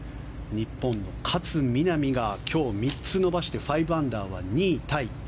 日本、勝みなみが今日３つ伸ばして５アンダーは２位タイ。